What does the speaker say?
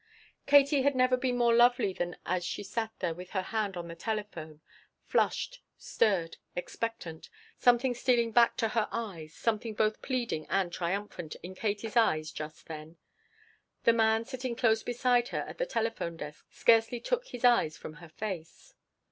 Katie had never been more lovely than as she sat there with her hand on the telephone: flushed, stirred, expectant something stealing back to her eyes, something both pleading and triumphant in Katie's eyes just then. The man sitting close beside her at the telephone desk scarcely took his eyes from her face.